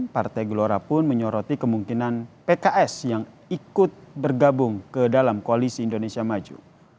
partai gelora pun menyoroti kemungkinan pks yang ikut bergabung ke dalam koalisi indonesia maju